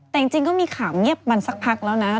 แต่จริงก็มีข่าวเงียบมันสักพักแล้วนะ